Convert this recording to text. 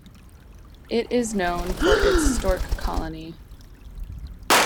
It is known for its stork colony.